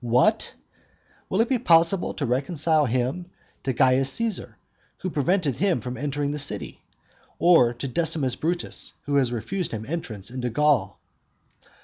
What? will it be possible to reconcile him to Caius Caesar, who prevented him from entering the city, or to Decimus Brutus, who has refused him entrance into Gaul?